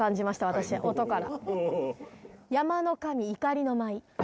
私音から。